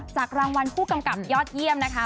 จากรางวัลผู้กำกับยอดเยี่ยมนะคะ